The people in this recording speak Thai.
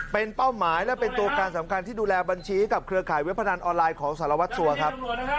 เป็นเป้าหมายและเป็นตัวการสำคัญที่ดูแลบัญชีกับเครือข่ายเว็บพนันออนไลน์ของสารวัตรสัวครับ